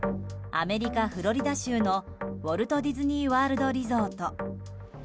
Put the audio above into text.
アメリカ・フロリダ州のウォルト・ディズニー・ワールド・リゾート。